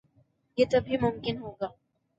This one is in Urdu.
یہ تب ہی ممکن ہو گا۔